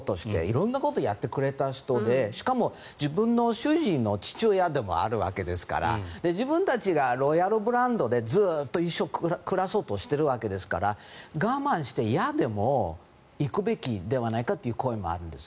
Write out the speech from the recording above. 色んなことやってくれた人でしかも、自分の主人の父親でもあるわけですから自分たちがロイヤルブランドでずっと一生暮らそうとしているわけですから我慢して嫌でも行くべきではないかという声もあるんです。